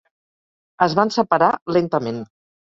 Es van separar lentament.